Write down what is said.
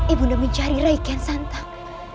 ibu nda mencari raimu kian santang